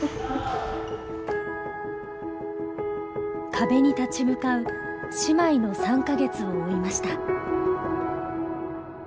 壁に立ち向かう姉妹の３か月を追いました。